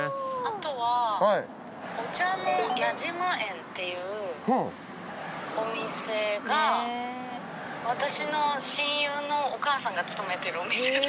後はお茶の矢島園っていうお店が私の親友のお母さんが勤めてるお店で。